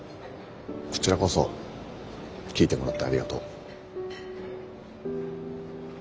こちらこそ聞いてもらってありがとう。